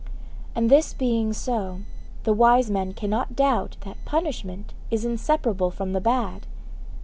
And this being so, the wise man cannot doubt that punishment is inseparable from the bad.